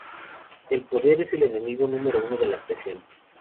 El poder es el enemigo número uno de la creación.